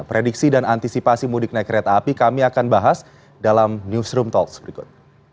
prediksi dan antisipasi mudik naik kereta api kami akan bahas dalam newsroom talks berikut